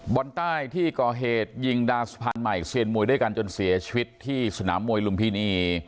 บนใต้ที่ก่อเหตุยิงดาดสะพานใหม่เสียชีวิตที่สนามมวยลุมพินี